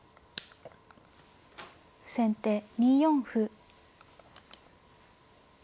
先手２四歩。